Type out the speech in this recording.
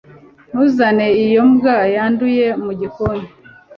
Ntuzane iyo mbwa yanduye mu gikoni